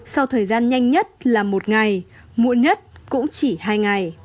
sau thời gian nhanh nhất là một ngày muộn nhất cũng chỉ hai ngày